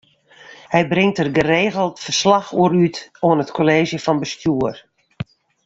Hy bringt dêr geregeld ferslach oer út oan it Kolleezje fan Bestjoer.